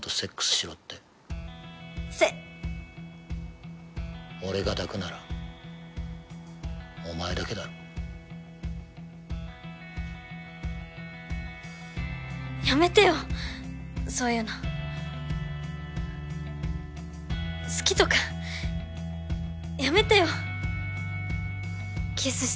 セ俺が抱くならお前だけだろやめてよそういうの好きとかやめてよ